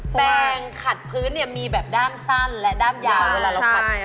แปงขัดพื้นมีแบบด้ามสั้นและด้ามยาวเวลาขัด